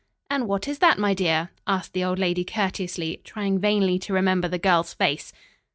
"And what is that, my dear?" asked the old lady courteously, trying vainly to remember the girl's face.